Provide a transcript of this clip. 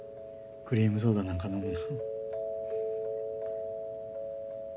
クリームソーダなんか飲むの。